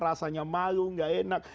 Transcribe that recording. rasanya malu gak enak